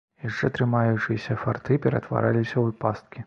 Яшчэ трымаючыяся фарты ператвараліся ў пасткі.